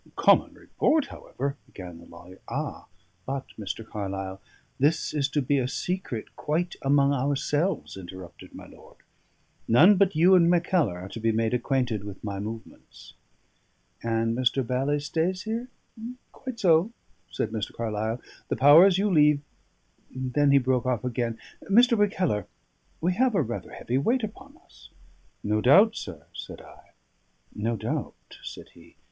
"Common report, however " began the lawyer. "Ah! but, Mr. Carlyle, this is to be a secret quite among ourselves," interrupted my lord. "None but you and Mackellar are to be made acquainted with my movements." "And Mr. Bally stays here? Quite so," said Mr. Carlyle. "The powers you leave " Then he broke off again. "Mr. Mackellar, we have a rather heavy weight upon us." "No doubt, sir," said I. "No doubt," said he. "Mr.